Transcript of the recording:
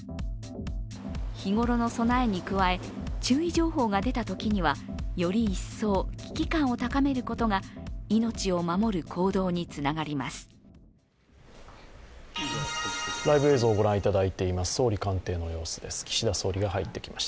日頃の備えに加え、注意情報が出たときにはより一層危機感を高めることが命を守る行動につながります。